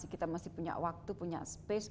kita masih punya waktu punya space